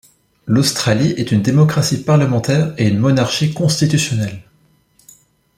L'Australie est une démocratie parlementaire et une monarchie constitutionnelle.